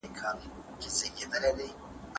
سياسي ګوندونه څنګه سيالي کوي؟